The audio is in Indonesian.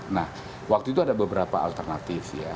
nah waktu itu ada beberapa alternatif ya